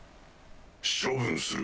処分する。